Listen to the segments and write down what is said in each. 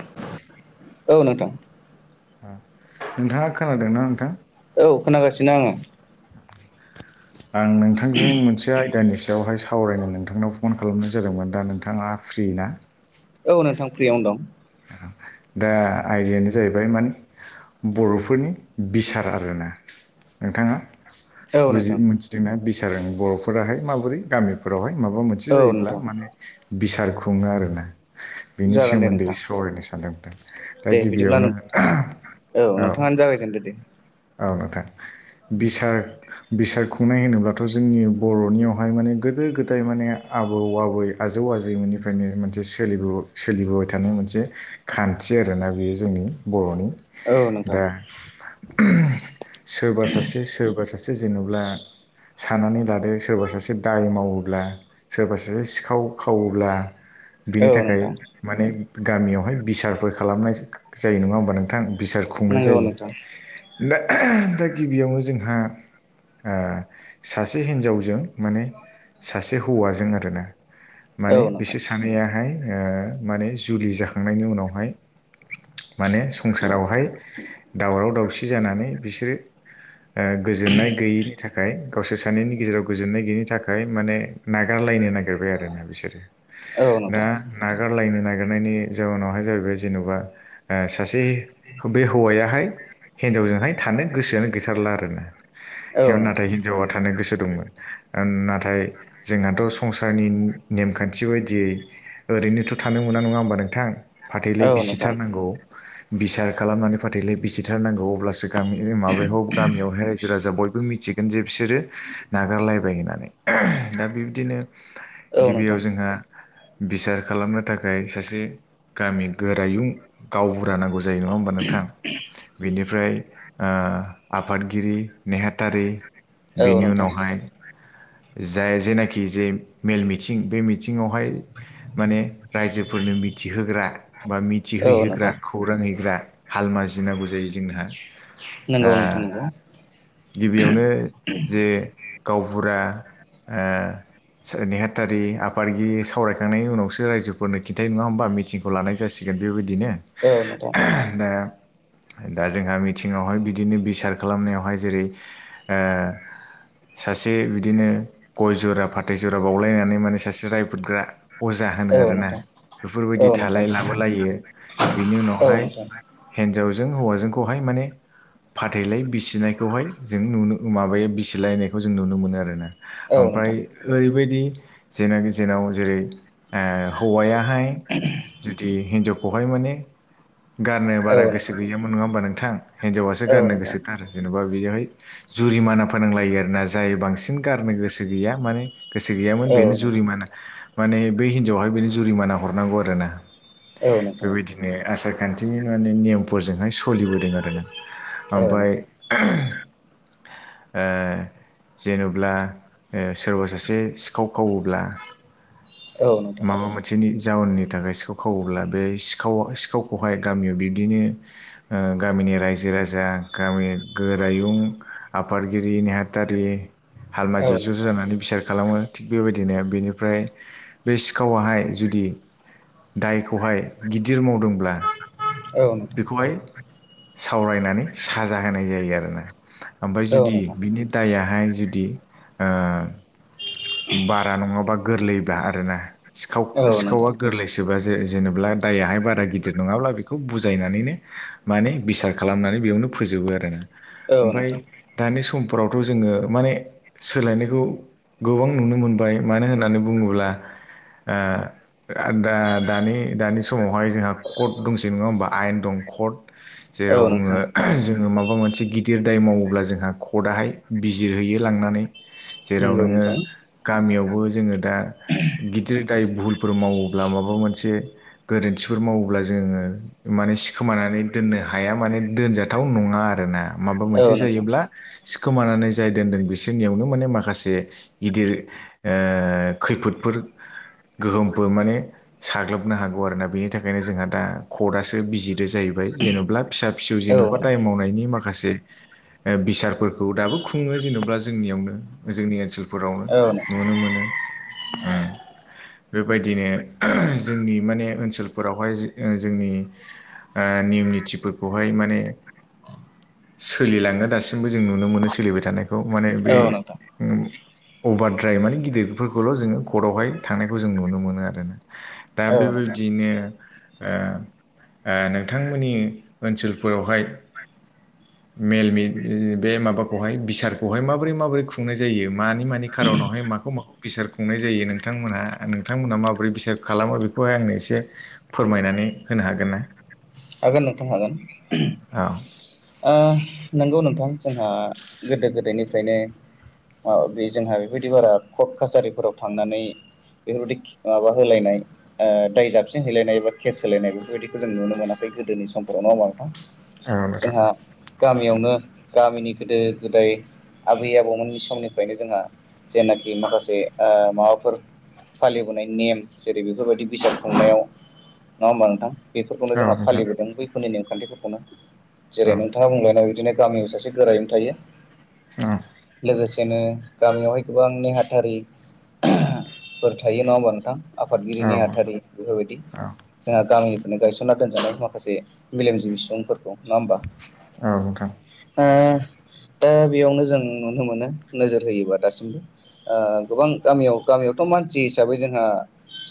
[inaudible] औ नोंथां। नोंथाङा खोनादोंना नोंथां? औ खोनागासिनो आङो आं नोंथांजों मोनसे आय दानि सायावहाय सावरायनो नोंथांनाव फन खालामनाय जादोंमोन दा नोंथाङा फ्रि ना? औ नोंथां फ्रियावनो दं दा आयदायानो जाहैबाय मोन बर'फोरनि बिसार आरोना नोंथाङा औ बुजि नोंथां मिथिदोंना बिसार बर'फोराहाय माबोरै गामिफोरावहाय माबा मोन [unintelligible] औ जायो नोंथां माने बिसार खुङो आरोना बिनि जागोन दे सोमोन्दै नोंथां [unintelligible] सावरायनो सानदों नोंथां। दा दे बिदिब्ला गिबियावनो औ फोजोनदो दे। औ नोंथां। बिसार बिसार खुंनाय होनोब्लाथ' जोंनि बर'नियावहाय माने गोदो गोदाय माने आबौ आबै आजौ आजैमोननिफ्रायनो मोनसे सोलिबो-सोलिबोबाय थानाय मोनसे खान्थि आरोना बेयो जोंनि बर'नि। औ नोंथां दा सोरबा सासे सोरबा सा सासे जेनेब्ला सानानै लादो सोरबा सासे दाय मावोब्ला सोरबा सोरसे सिखाव खावोब्ला औ बिनि थाखाय नोंथां माने गामियावहाय बिसारफोर खालामनाय जायो नङा होमबा नोंथां बिसार खुंनाय नंगौ जायो नोंथां दा दा गिबियावनो जोंहा ओ सासे हिन्जावजों माने सासे हौवाजों आरोना औ माने नोंथां बिसोर सानैआहाय ओ माने जुलि जाखांनायनि उनावहाय माने संसारावहाय दावराव दावसि जानानै बिसोरो ओ गोजोननाय गैयैनि थाखाय गावसोर सानैनि गेजेराव गोजोननाय गैयैनि थाखाय माने नागारलायनो नागिरबाय आरो ना बिसोरो औ नो दा नागारलायनो नागिरनायनि जाउनावहाय जाहैबाय जेन'बा ओ सासे बे हौवायाहाय हिनजावजोंहाय थानो गोसोआनो गैथारला आरो ना औ [unintelligible] नोंथां नाथाय हिनजावा थानो गोसो दंमोन नाथाय जोंहाथ' संसारनि नेमखान्थि बायदियै ओरैनोथ' थानो मोना नङा होमबा नोंथां औ फाथैलाय नोंथां बिसिथारनांगौ बिसार खालामनानै फाथैलाय बिसिथारनांगौ अब्लासो गामि [unintelligible] माबायाव [unintelligible] गामियावहाय रायजो राजा बयबो मिथि [unintelligible] सोरो नागारलायबाय होननानै दा बिबदिनो औ गिबियाव नोंथां जोंहा बिसार खालामनो थाखाय सासे गामि गोरायुं गावबुरा नां [unintelligible] जायो नङा होमबा नोंथां बिनिफ्राय ओ आफादगिरि नेहाथारि औ बिनि नोंथां उनावहाय जाय जेनाखि जे मेल मिथिं बे मिथिङावहाय माने रायजोफोरनो मिथिहोग्रा बा मि औ थिहैहोग्रा नोंथां खौरां हैग्रा हालमाजि नांगौ जायो जोंहा ओ नंगौ नोंथां नंगौ गिबियावनो जे गावबुरा ओ [unintelligible] नेहाथारि आफादगिरि सावरायखांनायनि उनावसो रायजोफोरनो खिन्थायो नङा होमबा मिथि खौ लानाय जासिगोन बेबायदिनो ओ नोंथां दा दा जोंहा मिथिङावहाय बिदिनो बिसार खालामनायावहाय जेरै ओ सासे बिदिनो गय जरा फाथै जरा बावलायनानै माने सासे रायफोदग्रा अजा होनो औ आरोना नोंथां औ बेफोरबायदि नोंथां थालाय लाबोलायो बिनि औ उनावहाय नोंथां हिनजावजों हौवाजोंखौहाय माने फाथैलाय बिसिनायखौहाय जों नुनो माबाया बिसिलायनायखौ जों नुनो मोनो आरोना। औ ओमफ्राय नोंथां औ नोंथां ओरैबायदि जेनाखि जेनाव जेरै हौवाया जुदि हिनजावखौहाय माने गारनो औ बारा गोसो नोंथां गयामोन नङा मान नोंथां हिनजावासो औ गारनो नोंथां गोसो थ आरो जेन'बा बेयावहाय जुरिमाना फोनांलायो आरो ना जाय बांसिन गारनो गोसो गैया मान गोसो गैयामोन बेनो जुरिमाना माने बै हिन्जावहाय बेनो जुरिमाना हरनांगौ आरो ना। औ नोंथां। ने आसारखान्थिनि माने नेमफोरजोंहाय सलिबोदों आरो ना औ नोंथां ओमफाय ओ जेनब्ला ओ सोरबा सासे सिखाव खावोब्ला औ नोंथां औ नोंथां माबा [unintelligible] थिनि जाउननि थाखाय सिखाव खावोब्ला बे सिखावा सिखावखौहाय गामियाव बिब्दिनो ओ गामिनि रायजो राजा गामि गोरायुं आफादगिरि नेहाथ [unintelligible] हालमाजि ज' ज' जानानै बिसार खालामो थिग बेबायदिनो बेनिफ्राय बे सिखावाहाय जुदि दायखौहाय गिदिर मावदोंब्ला औनो बेखौहाय सावरायनानै साजा होनाय जायो आरोना ओमफ्राय जुदि नोंथां बिनि दाययाहाय जुदि बारा नङाबा गोरलैबा आरो ना सिाव औ नोंथां सिखावा गोरलै गोसोबा ज जेनेबा दाययाहाय बारा गिदिर नङाब्ला बेखौ बुजायनानैनो माने बिसार खालामनानै बेयावनो फोजोबो आरो ना औ ओमफ्राय नोंथां दानि समफोरावथ' जोंङो माने सोलायनायखौ गोबां नुनो मोनबाय मानो होननानै बुंङोब्ला। दा दानि दानि समावहाय जोंहा कर्ट दंसै नंङा होमबा आयेन दंकट जेराव औ बुंङो। नोंथां जोंङो माबा मोनसे गिदिर दाय मावोब्ला जोंहा कर्टआहाय बिजिरहैयो लांनानै। जेराव नंगौ नोंङो नोंथां गामियावबो जोंङो दा गिदिर दाय भुहुलफोर मावोब्ला माबा मोनसे गोरोन्थिफोर मावोब्ला जोंङो माने सि खोमानानै दोननो हाया माने दोनजाथाव नङा आरोना। माबा औ मोनसे नोंथां जायोब्ला। सिखोमानानै जाय दोनदों बिसोरनियावनो माने माखासे गिदिर खैफोदफोर गोहोमफोर माने साग्लोबनो हागौ आरोना बेनि थाखायनो जोंहा दा कर्टआसो बिजिरदो जाहैबाय जेन'बा फिसा फिसौ औ जेन'बा नोंथां दाय मावनायनि माखासे बिसारफोरखौ दाबो खुंङो जेन'बा जोंनियावनो जोंनि ओनसोल फोरावनो औ नोंथां नुनो मोनो। बेबायदिनो जोंनि माने ओनसोलफोरावहाय जोंनि नियम निथिफोरखौहाय माने सोलिलाङो दासिमबो जों नुनो मोनो सोलिबाय थानायखौ माने बे औ नोंथां अभार ड्राइभ माने गिदिरफोरखौल' जोंङो कर्टआवहाय थांनायखौ जों नुनो मोनो आरो ना। दा बेबायदियैनो नोंथांमोननि ओनसोलफोरावहाय मेल बे माबाखौहाय बिसारखौहाय माबोरै माबोरै खुंनाय जायो मानि मानि खारनावहाय माखौ माखौ बिसार खुंनाय जायो नोंथांमोनहा नोंथांमोनहा माबोरै बिसार खालामो बेखौहाय आंनो एसे? फोरमायना नै होनो हागोन ना? हागोन नोंथां हागोन। औ नंगौ नोंथां जोंहा गोदो गोदायनिफ्रायनो मा बे जोंहा बेबायदि बारा कर्ट कासारिफोराव थांनानै बेफोरबायदि माबा होलायनाय दाय जाबसिन होलायनाय बा केस होलायनाय बेफोरबायदिखौ जों नुनो मोना। बे गोदोनि समफोराव नङा ओमबा नोंथां। गामियावनो गामिनि गोदो गोदाय आबै आबौमोननि समनिफ्रायनो जोंहा जेनाखि माखासे ओ माबाफोर फालिबोनाय नेम जेरै बेफोरबायदि बिसार खुंनायाव नङा ओमबा नोंथां बेफोरखौनो औ जोंहा नोंथां नों बैफोरनि नेमखान्थिफोरखौनो जेरै औ नोंथाङा बुंलांनाय बादिनो गामियाव सासे गोरायुं थायो। औ लोगोसेनो गामियावहाय गोबां नेहाथारि ब थायो न' बा नोंथां-' आफादगिरि औ नोंथां नेहाथारि बेफोरबायदि औ जोंहा गामिनिफ्रायनो गायसनना दोनजानाय माखासे मेलेमजिबि सुबुंफोरखौ नंङा होमबा औ नोंथां दा बेयावनो जों नुनो मोनो नोजोर होयोबा दासिमबो गोबां गामियाव गामियावथ' मानसि हिसाबै जोंहा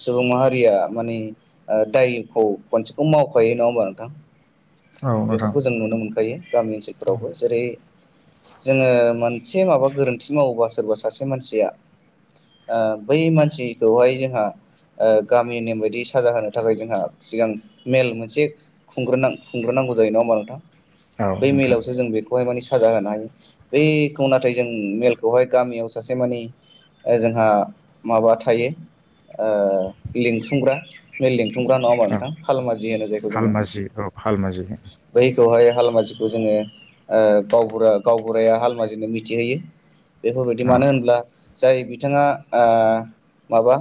सुबुं माहारिया माने दायखौ खनसेखौ मावखायो नंङा होमबा नोंथां। औ नोंथां बेफोरखौ जों नुनो मोनखायो गामि ओनसोलफोरावबो जेरै जोंङो मोनसे माबा गोरोन्थि मावोबा सोरबा सासे मानसिया बै मानसिखौहाय जोंहा ओ गामि नेम बायदि साजा होनो थाखाय जोंहा सिगां मेल मोनसे खुंग्रो नां खुंग्रोनांगौ जायो नङा ओमबा नोंथां औ बै नोंथां मेलआवसो जों बे साजा होनाय हायो बेखौ नाथाय जों मेलखौहाय गामियाव सासे माने ओ जोंहा माबा थायो ओ लिंथुमग्रा मेल लिंथुमग्रा नङा ओमबा औ नोंथां हालमाजि होनो जायखौ जोङो हालमाजि औ हालमाजि हो बैखौहाय हालमाजिखौ जोङो ओ गावबुरा गावबुराया हालमाजिनो मिथिहोयो बेफोरबायदि औ मानो होनब्ला जाय बिथाङा ओ माबा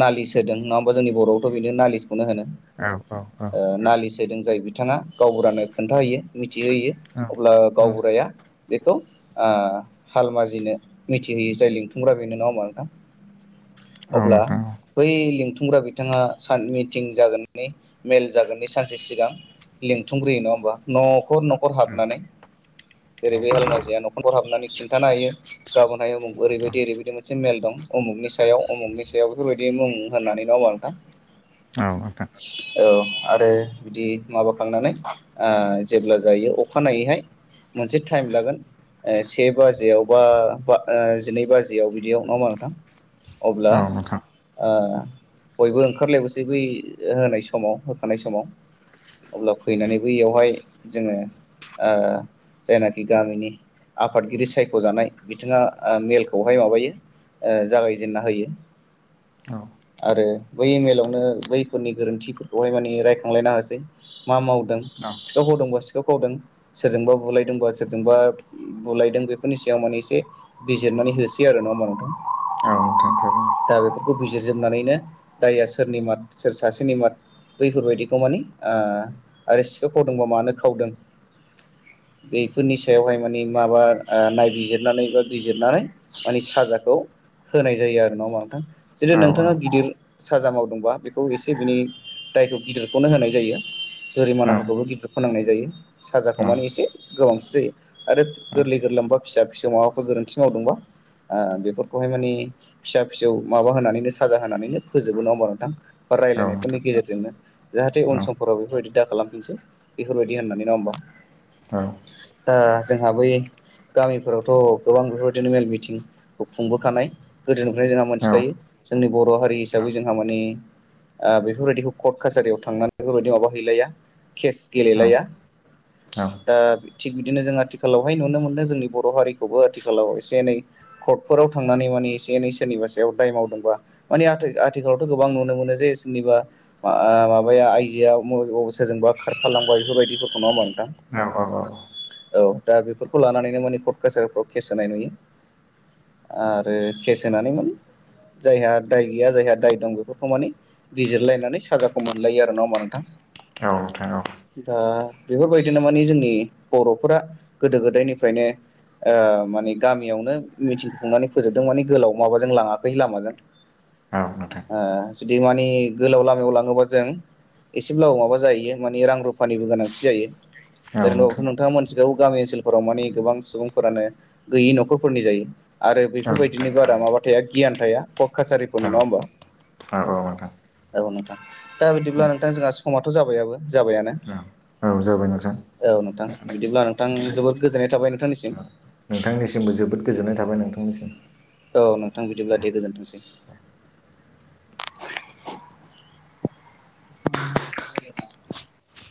नालिस होदों नङा ओमबा जोंनि बर'आवथ' बिनो नालिसखौनो होनो। औ औ ओ औ नालिस होदों जाय बिथाङा गावबुरानो खोन्था होयो मिथिहोयो। अब्ला गावबुराया बेखौ ओ हालमाजिनो मिथिहोयो जाय लिंथुमग्रा बेनो नङा ओमबा नोंथां? [inaudible] अब्ला नोंथां औ बै लिंथुमग्रा बिथाङा सान मिटिं जागोन मेल जागोननि सानसे सिगां लेंंथुमग्रोयो नङा ओमबा न'खर न'खर हाबनानै जेरै औ बे हालमाजिया न' खर हाबनानै खिन्थाना हैयो। गाबोनहाय उमुग ओरैबायदि ओरैबायदि मोनसे मेल दं उमुगनि सायाव उमुगनि सायाव बेफोरबायदि मुं होननानै नंङा ओनबा नोंथां? [inaudible] औ औ नोंथां औ आरो बिदि माबाखांनानै ओ जेब्ला जायो अखानायैहाय मोनसे टाइम लागोन ओ से बाजियाव बा ओ जिनै बाजियाव बिदियाव नङा ओमबा नोंथां? अब्ला औ नोंथां ओ बयबो ओंखारलायबोसै बै होनाय समाव होखानाय समाव अब्ला फैनानै बैयावहाय जोङो ओ जायनाखि गामिनि आफादगिरि सायख'जानाय बिथाङा ओ मेलखौहाय माबायो ओ जागायजेेनना होयो। औ आरो बै मेलावनो बैफोरनि गोरोन्थिफोरखौहाय माने रायखांलायनो होसै। मा मावदों औ सिखाव खावदोंबा सिखाव खावदों। सोरजोंबा बुलायदोंबा सोरजोंबा बुलायदों बेफोरनि सायाव माने एसे बिजिरनानै होसै आरो नंङा होमबा नोंथां? औ नोंथां थारैनो। दा बेफोरखौ बिजिरजोबनानैनो दाया सोरनि माद सोर सासेनि माद बैफोर बायदिखौ माने आ आरो सिखाव खावदोंबा मानो खावदों? बेफोरनि सायावहाय माने माबा आ नायबिजिरनानै बा बिजिरनानै माने साजाखौ होनाय जायो आरो नङा होमबा नोंथां? जोदि औ नोंथाङा गिदिर साजा मावदोंबा बेखौ एसे बिनि दायखौ गिदिरखौनो होनाय जायो औ जुरिमानाफोरखौबो गिदिर फोनांनाय जायो। साजाखौ औ माने एसे गोबांसिन जायो। आरो औ गोरलै गोरलाम बा फिसा फिसौ माबाफोर गोरोन्थि मावदोंबा आ बेफोरखौहाय माने फिसा फिसौ माबा होनानैनो साजा होनानैनो फोजोबो नङा ओनबा नोंथां बा औ रायजलायनायफोरनि नोंथां गेजेरजोंनो। जाहाथे उन औ समफोराव बेफोरबायदि दा खालामफिनसै बेफोरबायदि होननानै नङा ओनबा? औ दा जोंहा बै गामिफोरावथ' गोबां बेफोरबायदिनो मेल मिथिं खुंबोखानाय गोदोनिफ्रायनो जोंहा औ मोनथिखायो जोंनि बर' हारि हिसाबै जोंहा माने ओ बेफोरबायदिखौ कर्ट कासारियाव थांनानै बेफोरबायदि माबा हैैलाया केस नोंथां औ गेलेलाया औ दा थिग बिदिनो जों आथिखालावहाय नुनो मोनो जोंनि बर' हारिखौबो आथिखालाव एसे एनै कर्टफोराव थांनानै माने एसे एनै सोरनिबा सायाव दाय मावदोंबा माने आ आथिखालावथ' गोबां नुनो मोनो जे सोरनिबा ओ माबाया आइ जोआ [unintelligible] सोरजोंबा खारफालांबाय बेफोरबायदिफोरखौ नङा ओमबा नोंथां? औ औ औ। औ दा बेफोरखौ लानानैनो माने कर्ट कासारफ्राव केस होनाय नुयो। आरो केेस होनानै माने जायहा दाय गैया जायहा दाय दं। बेफोरखौ माने बिजिरलायनानै साजाखौ मोनलायो आ ओ नङा होमबा नोंथां। औ नोंथां औ। दा बेफोरबायदिनो माने जोंनि बर'फोरा गोदो गोदायनिफ्रायनो ओ माने गामियावनो मिथिं खुंनानै फोजोबदों। माने गोलाव माबाजों लाङाखै लामाजों। [inaudible] ओ जुदि माने गोलाव लामायाव लाङोबा जों एसेब्लाबो माबा जाहैयो, माने रां रुफानिबो गोनांथि जायो। औ नोंथां ओरै न'आवथ' नोंथाङा मोनस जेराव गामि ओनसोलफोराव माने गोबां सुबुंफोरानो गैयि न'खरफोरनि जायो। आरो औ बेफोर नोंथां बायदिनो बारा थारैनो माबा थाया गियान थाया कट कासारिफोरनि नङा होमबा। औ औ नोंथां औ औ नोंथां दा बिदिब्ला नोंथां जोंहा समाथ' जाबायाबो जाबायानो। औ जाबाय नोंथां। औ नोंथां बिदिब्ला नोंथां जोबोद गोजोननाय थाबाय नोंथांनिसिम। नोंथांनिसिमबो जोबोद गोजोननाय थाबाय नोंथांनिसिम। औ नोंथां बिदिब्ला दे गोजोनथोंसै। [unintelligible]